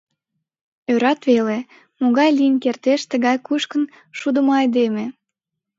Ӧрат веле, могай лийын кертеш тыгай кушкын шудымо айдеме!